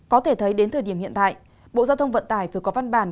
có thể thấy đến thời điểm hiện tại bộ giao thông vận tải vừa có văn bản